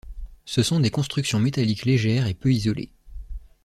Ce sont des constructions métalliques légères et peu isolées.